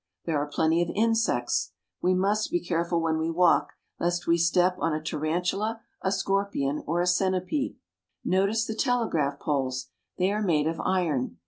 There are plenty of insects. We must be careful where we walk, lest we step on a tarantula, a scorpion, or a centiped. Notice the telegraph poles. They are made of iron.